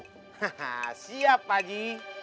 haha siap pak waji